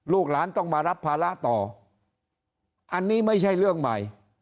ลูกหลานต้องมารับภาระต่ออันนี้ไม่ใช่เรื่องใหม่